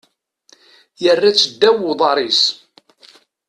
Yerra-tt ddaw uḍar-is.